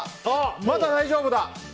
まだ大丈夫だ！